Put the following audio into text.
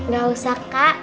gak usah kak